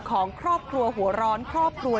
ของครอบครัวหัวร้อนครอบครัว